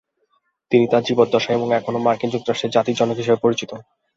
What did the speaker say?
তিনি তার জীবদ্দশায় এবং এখনও মার্কিন যুক্তরাষ্ট্রের জাতির জনক হিসেবে পরিচিত।